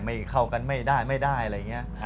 เข้ากันไม่ได้ไม่ได้อะไรอย่างนี้